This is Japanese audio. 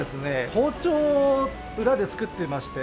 包丁を裏で作ってまして。